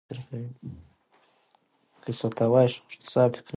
په افغانستان کې غوښې د خلکو پر ژوند تاثیر کوي.